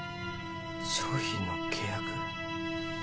商品の契約？